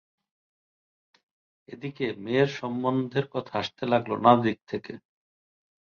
এদিকে মেয়ের সম্বন্ধের কথা আসতে লাগল নানা দিক থেকে।